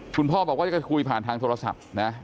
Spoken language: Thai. คุณพ่อบอกว่าจะคุยผ่านทางโทรศัพท์นะ